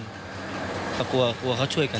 ก็กลัวเกลียดกลัวเขาช่วยกัน